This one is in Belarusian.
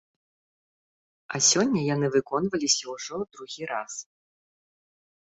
А сёння яны выконваліся ўжо другі раз!